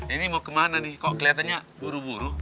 ini mau kemana nih kok kelihatannya buru buru